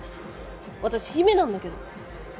私姫なんだけど。